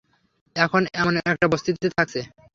এখন এমন একটা বস্তিতে থাকছে।